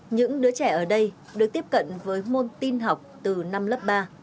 những đứa trẻ ở đây được tiếp cận với môn tin học từ năm lớp ba